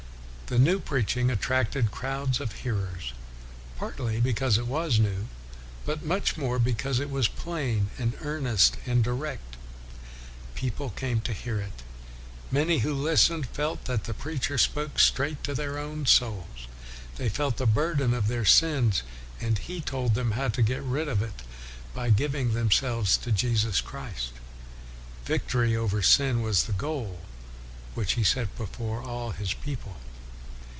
The new preaching attracted crowds of WESLEY 311 hearers. Partly because it was new, but much more because it was plain and earnest and direct, people came to hear it. Many who listened felt that the preacher spoke straight to their own souls. They felt the burden of their sins, and he told them how to get rid of it by giving them selves to Jesus Christ. " Victory over sin was the goal which he set before all his people.'